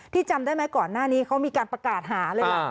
จำได้ไหมก่อนหน้านี้เขามีการประกาศหาเลยล่ะ